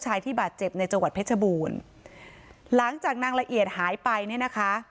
ที่บาดเจ็บในจังหวัดเพชรบูรณ์หลังจากนางละเอียดหายไปเนี่ยนะคะ